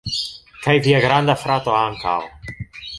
Kaj via granda frato ankaŭ